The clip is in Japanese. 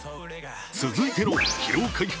続いての疲労回復